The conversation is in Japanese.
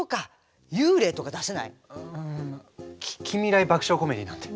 うん近未来爆笑コメディーなんで。